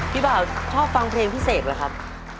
พี่เบาชอบฟังเพลงพี่เสกเหรอครับ